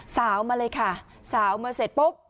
สาวมาเลยค่ะสาวมาเสร็จปุ๊บ